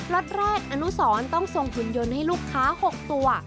ล็อตแรกอนุสรต้องส่งหุ่นยนต์ให้ลูกค้า๖ตัว